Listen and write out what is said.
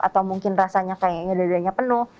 atau mungkin rasanya kayaknya dadanya penuh